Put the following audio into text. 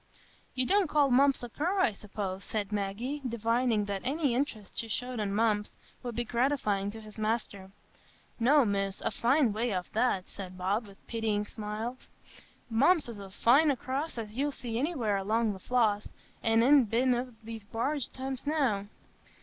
"You don't call Mumps a cur, I suppose?" said Maggie, divining that any interest she showed in Mumps would be gratifying to his master. "No, Miss, a fine way off that," said Bob, with pitying smile; "Mumps is as fine a cross as you'll see anywhere along the Floss, an' I'n been up it wi' the barge times enow.